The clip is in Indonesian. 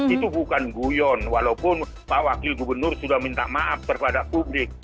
itu bukan guyon walaupun pak wakil gubernur sudah minta maaf kepada publik